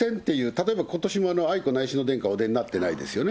例えば、ことしも愛子内親王殿下、お出になってないですよね。